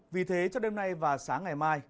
vì thế cho đêm nay và sáng ngày mai